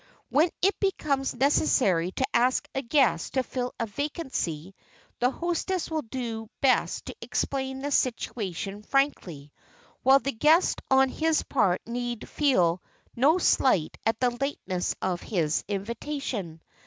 When it becomes necessary to ask a guest to fill such a vacancy, the hostess will do best to explain the situation frankly, while the guest on his part need feel no slight at the lateness of his invitation.